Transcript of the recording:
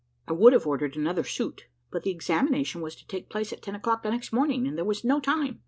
I would have ordered another suit, but the examination was to take place at ten o'clock the next morning, and there was no time.